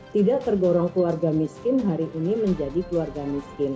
tidak tergorong keluarga miskin hari ini menjadi keluarga miskin